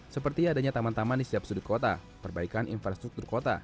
seperti adanya taman taman di setiap sudut kota perbaikan infrastruktur kota